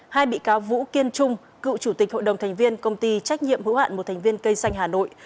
hai bị cáo vũ kiên trung cựu chủ tịch hội đồng thành viên công ty trách nhiệm hữu hạn một thành viên cây xanh hà nội